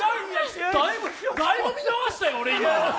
だいぶ見逃したよ、俺今。